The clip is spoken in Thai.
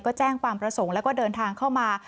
ก็แจ้งความประสงค์แล้วก็เดินทางเข้ามา